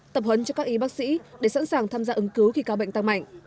tập huấn cho các y bác sĩ để sẵn sàng tham gia ứng cứu khi ca bệnh tăng mạnh